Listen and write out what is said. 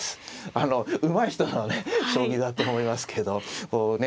あのうまい人のね将棋だと思いますけどこうね